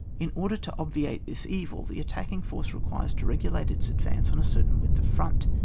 In order to obviate this evil, the at tacking force requires to regulate its advance on a certain width of front.